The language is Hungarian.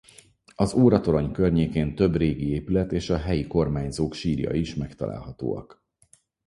Az óratorony környékén több régi épület és a helyi kormányzók sírjai is megtalálhatóak.